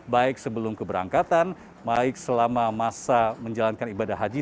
baik sebelum keberangkatan baik selama masa menjalankan ibadah haji